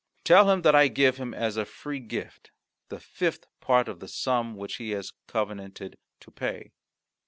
Tell him that I give him as a free gift the fifth part of the sum which he has covenanted to pay."